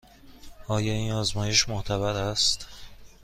آیا این آزمایش معتبر است؟